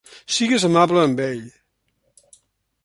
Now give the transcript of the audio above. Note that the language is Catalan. Sigues amable amb ell.